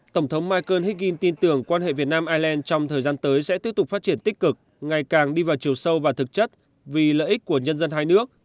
tổng thống michael heck in tin tưởng quan hệ việt nam ireland trong thời gian tới sẽ tiếp tục phát triển tích cực ngày càng đi vào chiều sâu và thực chất vì lợi ích của nhân dân hai nước